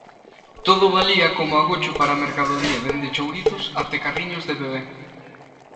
Todo valía como agocho para a mercadoría, dende chourizos até carriños de bebé.